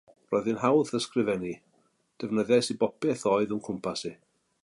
Roedd hi'n hawdd ysgrifennu, defnyddiais i bopeth oedd o'm cwmpas i.